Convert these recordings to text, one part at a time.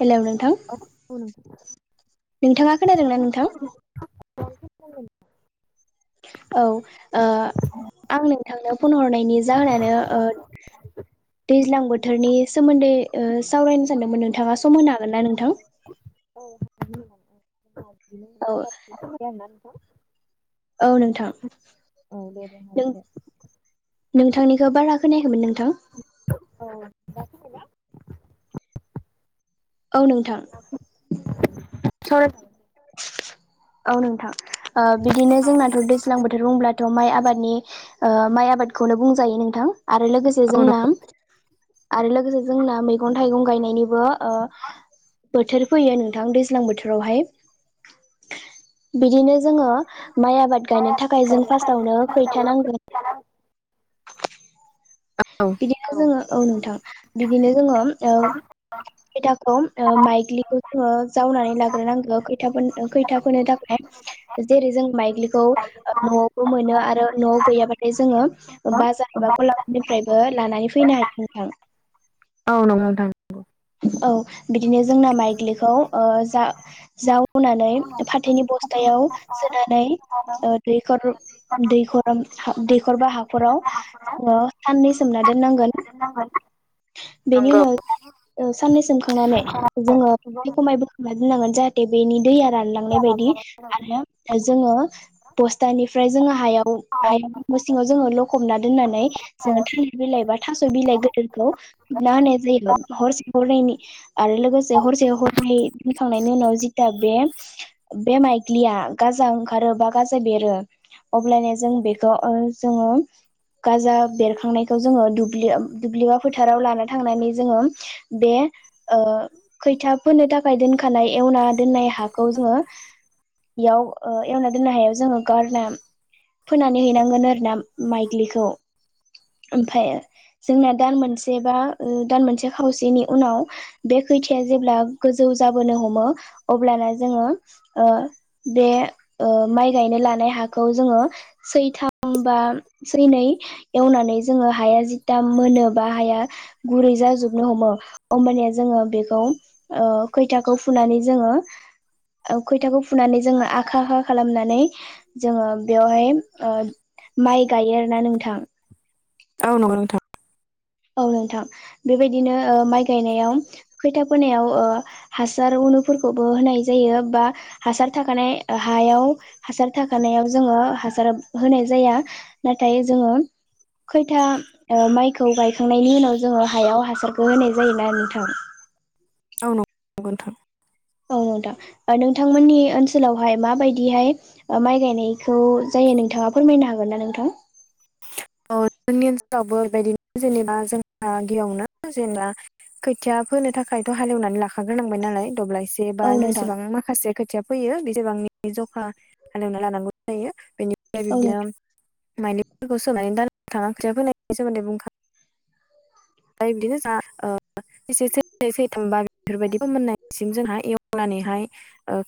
Hello नोंथां। [inaudible] नोंथाङा खोनादों ना नोंथां? औ ओ आं नोंथांनो फन हरनायनि जाहोनानो ओ दैज्लां बोथोरनि सोमोन्दै ओ सावरायनो सानदोंमोन नोंथाङा सम होनो हागोन ना नोंथां? औ [inaudible] औ नोंथां। औ दे दे नों हागोन दे नोंथांनिखो बारा खोनायाखैमोन नोंथां। [inaudible] औ नोंथां। [unintelligible] औ नोंथां ओ बिदिनो जोंनाथ' दैज्लां बोथ थोर ब्रुंब्लाथ' माइ आबादनि ओ माइ आबादखौनो बुंजायो नोंथां आरो लोगोसे से औ जोंना नंगौ आरो लोगोसे जोंना मैगं थाइगं गायनायनिबो ओ बोथोर फैयो नोंथां दैज्लां बोथोरावहाय। बिदिनो जोङो माइ आबाद औ औ गायनो थाखाय जों नंगौ नोंथां नंगौ फास्टावनो खैथा नांगोन। बिदिनो जोङो औ नोंथां बिदिनो जोङो ओ खैथाखौ ओ माइग्लिखौ जोङो जावनानै लाग्रोनांगो खैथाफो खैथा फोनो थाखाय जेरै जों माइग्लिखौ ओ न'आवबो मोनो आरो न'आव गैयाबाथाय जोङो बाजार एबा ग'लाफोरनिफ्रायबो लानानै फैनो हायो नोंथां। औ नंगौ नोंथां। औ बिदिनो जोंना माइग्लिखौ ओ जा जावनानै फाथोनि बस्थायाव सोनानै ओ दैखर दैखर दैखर बा हाखराव [unintelligible] साननै सोमना दोननांगोन बेनि उनाव ओ साननै सोमखांनानै जोङो [inaudible] खमाय बोखांना दोननांगोन जाहाथे बेनि दैया रानलांनाय बायदि आरो जोङो बस्थानिफ्राय जोङो हायाव हायाव न'सिङाव जोङो लखबना दोननानै जोङो थालि बिलाइ बा थास' बिलाइ गोदोरखौ खोबना होनाय जायोबो। हरसे हरनैनि आरो लोगोसे हरसे हरनै दोनखांनायनि उनाव जिता बे बे माइग्लिया गाजा ओंखारो बा गाजा बेरो अब्लानिया जों बेखौ ओ जोङो गाजा बेरखांनायखौ जोङो दुब्लियो दुब्लिबा फोथाराव लाना थांनानै जोङो बे ओ खैथा फोनो थाखाय दोनखानाय एवना दोननाय हाखौ जोङो बेयाव ओ एवना दोननाय हायाव जोङो गारना फोनानै हैनांगोन ओरोना माइग्लिखौ ओमफाय जोंना दान मोनसे बा ओ दान मोनसे खावसेनि उनाव बे खैथाया जेब्ला गोजौ जाबोनो हमो अब्लाना जोङो ओ बे ओ माइ गायनो लानाय हाखौ जोङो सैथाम बा सैनै एवनानै जोङो हाया जिथाम मोनोबा हाया गुरै जाजोब नो हमो होमबानिया जोङो बेखौ ओ खैथाखौ फुनानै जोङो औ खयथाखौ फुनानै जोङो आखा आखा खालामनानै जोङो बेवहाय ओ माइ गायो आरोना नोंथां औ नंगौ नोंथां औ नोंथां बेबायदिनो माइ गायनायाव खैथा फोनायाव ओ हासार उनुफोरखौबो होनाय जायो बा हासार थाखानाय हायाव हासार थाखानायाव जोङो हासार होनाय जाया नाथाय जोङो खैथा ओ माइखौ गायखांनायनि उनाव जोङो हायाव हासारखौ होनाय जायोना नोंथां औ नंगौ नोंथां। औ नोंथां नोंथांमोननि ओनसोलावहाय माबायदिहाय माइ गायनायखौ जायो नोंथाङा फोरमायनो हागोन ना नोंथां औ जोंनि ओनसोलावबो बेबायदिनो जेनेबा जोंहा गिबियावनो जेनेबा खोथिया फोनो थाखायथ' हालेवनानै लाखाग्रोनांबाय नालाय दब्लायसे बा औ नोंथां जेसेबां माखासे खोथिया फैयो बेसेबांनि जखा हालेवना लानांगौ जायो बेनि ओमफ्राय औ नोंथां बिबदिनो माइलिफोरखौ सोनानै [unintelligible] ओमफाय बिदिनो जा ओ सैसे सैनै सैथाम बार बेफोर बादि फोमोनायसिम जोंहा एवनानैहाय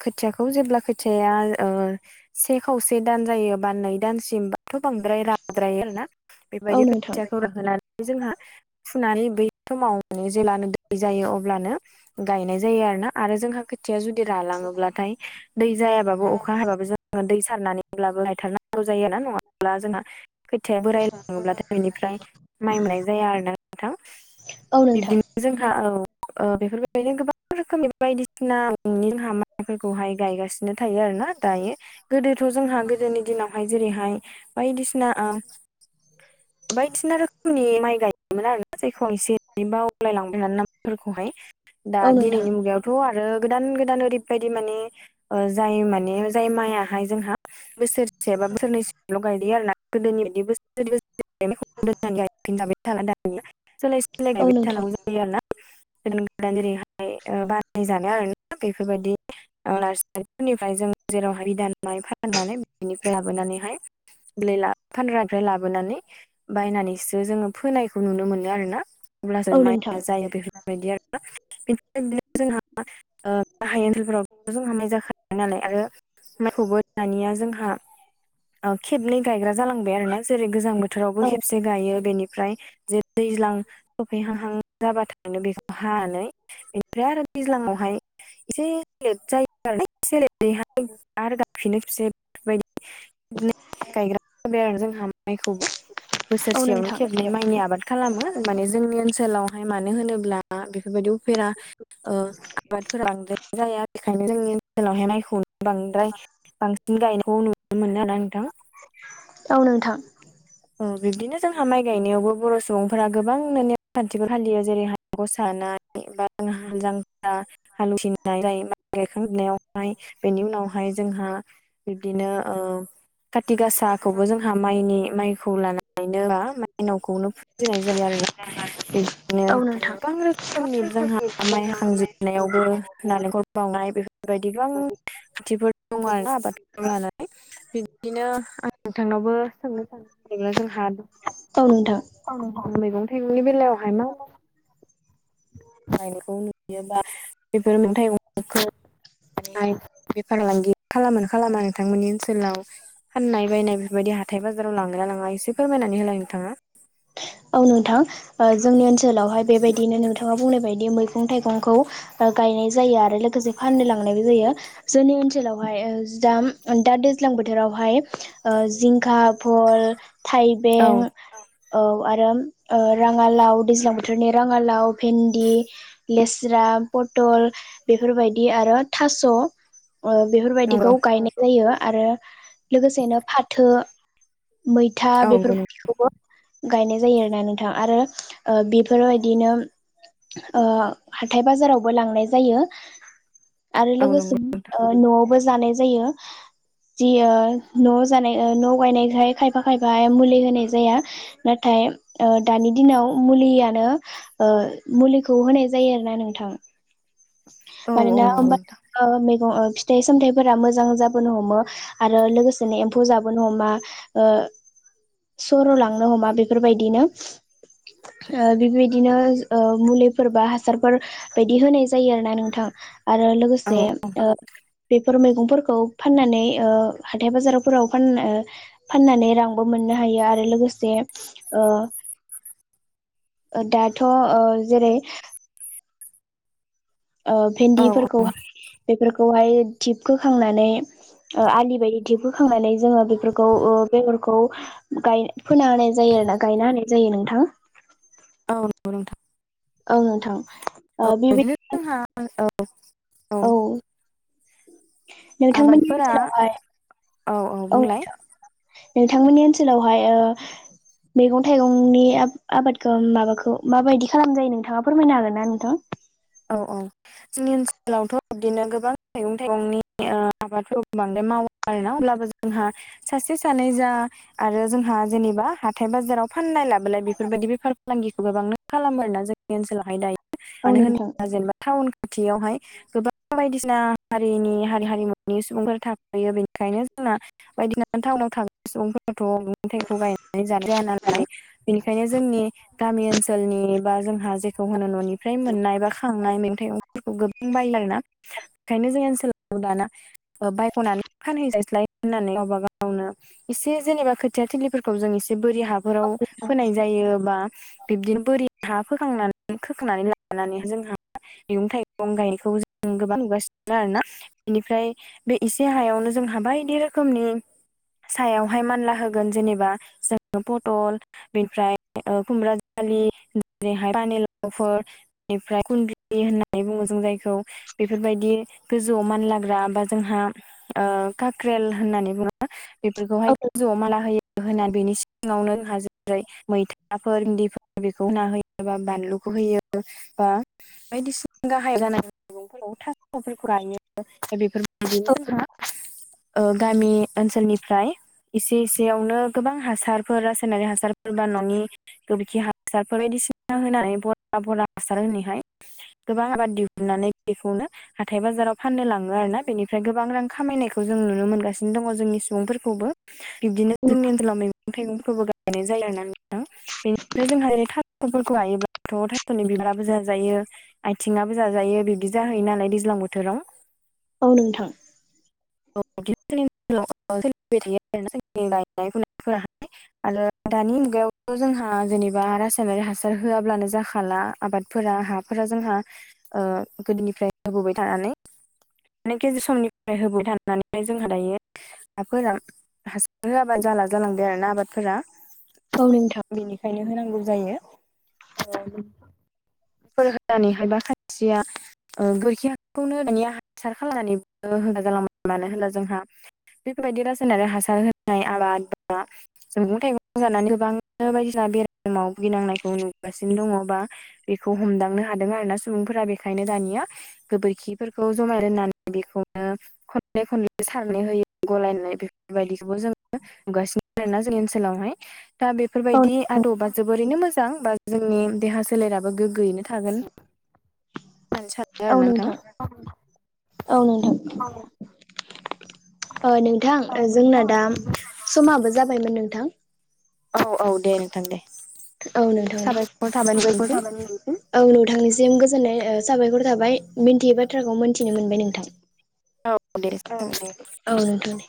खोथियाखौ जेब्ला खोथिआया ओ से खावसे दान जायोबा नै दानसिम बाथ' बांद्राय राद्रायो आरोना औ बेबायदि नोंथां खैथिया खौ राहोनानै जोंहा फुनानै बै समाव माने जेब्लानो दै जायो अब्लानो गायनाय जायो आरोना आरो जोंहा खो दैआ जुदि रानलांओब्लाथाय दै जायाबाबो अखा हाबाबो जा दै सारनानैब्लाबो लायथारनांगौ जायो आरोना ना नङाब्ला जोंहा खोथिया बोराय लाङोब्लाथाय बिनिफ्राय माइ मोननाय जाया आरो ना थां औ नोंथां बिब्दि जोंहा औ ओ बेफोरबायदिनो गोबां रोखोमनि बायदिसिना न'नि जोंहा माय फोरखौहाय गायगासिनो थायो आरोना दायो गोदो थ' जोंहा गोदोनि दिनावहाय जेरैहाय बायदिसिना ओ बायदिसिना रोखोमनि माइ गायोमोन आरोना जायखौ आं एसे बावलायलांबाय नामफोरखौहाय दा औ नोंथां दिनैनि मुगायाव थ' आरो गोदान गोदान ओरैबायदि माने जाय माने जाय मायाहाय जोंहा बोसोरसेबा बोसोरनैसेल' गायदे आरोना गोदोनि बायदि बोसोर [unintelligible] सोलाय सोलाय औ गायबाय नोंथां थानांगौ जायो आरोना [unintelligible] जानो आरोना बेफोरबायदि ओ नार्सारिफोरनिफ्राय जों जेरावहाय बिदान माइ फाननानै बिनिफ्राय लाबोनानैहाय [unintelligible] लाबोनानै बायनानैसो जोङो फोनायखौ नुनो मोनो आरोना अब्लासो औ नोंथां माइया जायो बेफोर बायदि आरोना बेफोरबायदिनो जोंहा ओ गाहाय ओनसोलफोराव जोंहा माय जाखायो [unintelligible] नालाय आरो माइखौबो दानिया जोंहा ओ खेबनै गायग्रा जालांबाय आरोना जेरै गोजां बोथोरावबो औ खेबसे गायो बेनिफ्राय जे दैज्लां [unintelligible] हाहां जाबाथाय बेखौ हानानै बेनिफ्राय आरो दैज्लाङावहाय एसे लेट जायो आरोना एसे लेटै हायो आरो गायफिनो बिसोर बेफोरबायदि। लेट गायग्रा जाबाय आरो जोंहा माइखौबो औ बोसोरसेयावनो नोंथां खेबनै औ माइनि आबाद खालामो माने जोंनि ओनसोलावहाय मानो होनोब्ला बेफोरबायदि उफेरा ओ आबादफोरा बांद्राय जाया बेखायनो जोंनि ओनसोलावहाय मायखौनो बांद्राय बांसिन गायनायखौ नुनो मोनो आरोना नोंथां। औ नोंथां। अह बिब्दिनो जोंहा माइ गायनायावबो बर' सुबुंफोरा गोबांनो नेम खान्थिबो फालियो जेरैहाय गसा होनाय, बा जोङो हाल जांख्रा, हाल उथिनाय [unintelligible] बेनि उनावहाय जोंहा बिब्दिनो ओ काति गासाखौबो जोंहा माइनि माइ लानानैनो मा माइनावखौनो फुजिनाय जायो आरो ना बिब्दिनो औ नोंथां गोबां रोखोमनि जोंहा माइ हाखांजोबनायावबो नालेंखल बावनाय बेफोरबायदि गोबां खान्थिफोर दङ आरोना आबाद लानानै। बिबदिनो आं नोंथांनावबो सोंनो सान [unintelligible] जोंहा औ नोंथां मैगं थाइगंनि बेलायाव [unintelligible] गायनायखौ नुनो बियो बा बेफोर मोनथाइ [unintelligible] [unintelligible] बेफार फालांगि खालामो ना खालामा नोंथांमोननि ओनसोलाव? फाननाय बायनाय बेफोरबायदि हाथाय बाजाराव लागोनना लाङा एसे फोरमायनानै होलाय नोंथाङा। औ नोंथां ओ जोंनि ओनसोलावहाय बेबायदिनो नोंथाङा बुंनाय बायदि मैगं थाइगंखौ ओ गायनाय जायो आरो लोगोसे फाननो लांनायबो जायो। जोंनि ओनसोलावहाय ओ जाम दा दैज्लां बोथोरावहाय ओ जिंखा भल औ थाइबें औ आरो ओ राङालाव दैज्लां बोथोरनि राङालाव भेन्दि लेस्रा, पटल बेफोरबायदि आरो थास' ओ बेफोरबायदिखौ नंगौ गायनाय जायो आरो लोगोसेनो फाथो, मै था औ नंगौ बेफोरबायदिखौबो गायनाय जायो आरोना नोंथां आरो ओ बेफोरबायदिनो ओ हाथाय बाजारावबो लांनाय जायो आरो औ नंगौ लोगोसेनो नोंथां ओ न'आवबो जानाय जायो। जि ओ न'आव जानाय ओ न'आव गायनायखाय खायफा खायफाया मुलि होनाय जाया। नाथाय ओ दानि दिनाव मुलियानो ओ मुलिखौ होनाय जायो आरोना नोंथां। औ औ मानोना नंगौ होमबा नोंथां ओ मैगं ओ फिथाइ सामथाइफोरा मोजां जाबोनो हमो। आरो लोगोसेनो एम्फौ जाबोनो हमा ओ सर' लांनो हमा बेफोरबायदिनो बिबायदिनो मुलिफोर बा हासारफोर बायदि होनाय जायो आरोना नोंथां आरो लोगोसे औ ओ बेफोर मैगंफोरखौ फाननानै ओ हाथाय बाजारफोराव फानना ओ फाननानै रांबो मोननो हायो आरो लोगोसे ओ ओ दाथ' ओ जेरै ओ औ औ भेन्दिफोरखौहाय बेफोरखौहाय धिप खोखांनानै ओ आलि बायदि धिप होखांनानै जोङो बेफोरखौ ओ बेगरखौ गाय फोना होनाय जायो आरोना गायना होनाय जायो नोंथां। औ नंगौ नोंथां। औ नोंथां। ओ औ बिदिनो बेबायदिनो जोंहा औ औ। नोंथांमोननि आबादफोरा ओनसोलावहाय औ नोंथां। नोंथांमोननि ओनसोलावहाय ओ मैगं थाइगंनि आबादखौ माबाखौ माबायदि खालाम जायो नोंथाङा फोरमायनो हागोन ना नोंथां? औ [inaudible] औ जोंनि ओनसोलावथ' बिदिनो गोबां मैगं थाइगंनि आबादफोर बांद्राय मावो आरोना अब्लाबो जोंहा सासे सानै जा आरो जोंहा जेनेबा हाथाय बाजाराव फाननाय लाबोलाय बेफोरबायदि बेफार फालांगिखौ गोबांनो खालामो आरोना जोंनि ओनसोलावहाय दायो मानो नोंथां? होनोब्ला जेनेबा टाउन खाथियावहाय गोबां बायदिना हारिनि हारि हारिमुनि सुबुंफोरा थाफैयो बेनिखायनो जोंना बायदिना टाउनाव थानाय सुबुंफोराथ' मैगं थाइगंखौ गायनानै जानाय जाया नालाय बेनिखायनो जोंनि गामि ओनसोलनि बा जोंहा जेखौ होनो न'निफ्राय मोननाय बा खांनाय [unintelligible] गोबां बायोला आरोना बेंखायनो जोंनि ओनसोलाव दाना बायख'नानै फानहैजायसैलाय होननानै गावबा गावनो एसे जेनेबा खोथिया थिलिफोरखौ जों एसे बोरि हाफोराव फोनाय जायो बा बिबदिनो बोरि हा फोखांनानै खोखांनानै लानानै जों मैगं थाइगं गायनायखौ जों गोबां नुगासिनो आरो ना बेनिफ्राय बे एसे हायावनो जोंहा बायदि रोखोमनि सायावहाय मानला होगोन जेनेबा जोङो पटल बेनिफ्राय खुमब्रा जालि जेरैहाय पानलावफोर बेनिफ्राय खुनदुलि होननानै बुङो जों जायखौ बेफोरबायदि गोजौआव मानलाग्रा बा जोंहा ओ कक्रेल होननानै बुङो। बेफोरखौहाय गोजौआव मानला होयो होननानै बेनि सिगाङावनो जोंहा ओमफ्राय मैथाफोर इदिफोर बेखौ ना होयो बा बानलुखौ होयो बा बायदिसिना गाहाय जानाय मैगंफोराव थास'फोरखौ गायो बेफोर बिनो हा ओ गामि ओनसोलनिफ्राय एसे इसेयावनो गोबां हासारफोर रासायनारि हासारफोर बा न'नि गोबोरखि हासारफोर बायदिसिना होनानै बरा बरा हासार होनानैहाय गोबां आबाद दिहुननानै बेखौनो हाथाय बाजाराव फाननो लाङो आरो ना। बेनिफ्राय गोबां रां खामायनायखौ जों नुनो मोनगासिनो दङ' जोंनि सुबुंफोरखौबो। बिब्दिनो जोंनि ओनसोलाव मैगं थाइगंफोरबो गायनाय जायो आरो ना नोंथां। बेनिफ्राय जोंहा रै थास'फोरखौ हायोब्लाथ' थास'नि बिबाराबो जाजायो आथिंआबो जाजायो बिब्दि जाहैयो नालाय दैज्लां बोथोराव औ नोंथां। [unintelligible] [unintelligible] थायो आरोना जोंनि गायनाय फुनायफोर आरो दानि मुगायावथ' जोंहा जेनेबा रासायनारि हासार होआब्लानो जाखाला आबाद फोर हाफोरा जोंहा ओ गोदोनिफ्राय होबोबाय थानानै माने गेजि समनिफ्राय होबाय थानानैाय जोंहा दायो हाफोरा हासार होआाबा जाला जालांद आरो ना आबादफोरा औ नोंथां। बेनिखायनो होनांगौ जायो। [unintelligible] होनानैहायबा सानस्रिया ओ गोरखि हासारखौनो दानि हासार खालामनानैबो होना जालांबाय मानो होनब्ला जोंहा बेफोरबायदि रायनारि हासार होनाय आबाद बा जों मैगं थाइगं जानानै गोबांनो बायदिसिना बेरामाव भुगिनांनायखौ नुगासिनो दङ' बा बेखौ हमदांनो हादों आरोना सुबुंफोरा बेखायनो दानिया गोबोरखिफोरखौ जमाय रोननानै बेखौनो खनले खनले सारनाय होयो गलायनाय बेफोरबायदिखौबो जोङो नुगासिनो आरो ना जोंनि ओनसोलाव हाय। दा औ बेफोरबायदि आदबा जोबोरैनो मोजां बा जोंनि देहा सोलेराबो गोग्गोयैनो थागोन खरसा नोंथां औ नोंथां औ नोंथां। ओ नोंथां आरोना जोंना नोंथां दा औ समाबो जाबायमोन नोंथां। औ औ दे नोंथां दे औ नोंथां साबायखर थाबाय नोंसिम [unintelligible] औ नोंथांनिसिम गोजोननाय साबायखर थाबाय मिनथियै बाथ्राखौ मोनथिनो मोनबाय नोंथां। औ दे औ साबायखर। नोंथां दे